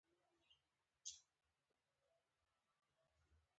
• د سهار هوا د تازه ګلونو بوی لري.